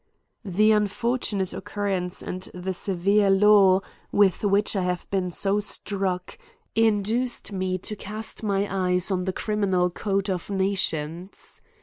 THE unfortunate occurrence, and the severe law, with which I have been so struck, induced me to cast my eyes on the criminal code of nations.